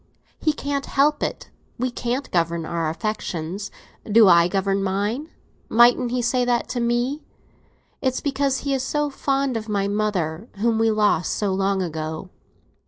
He can't help it; we can't govern our affections. Do I govern mine? mightn't he say that to me? It's because he is so fond of my mother, whom we lost so long ago.